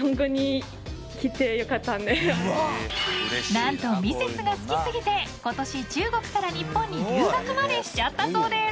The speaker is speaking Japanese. ［何とミセスが好きすぎて今年中国から日本に留学までしちゃったそうです］